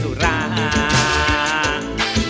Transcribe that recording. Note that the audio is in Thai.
ร้องได้ให้ล้าน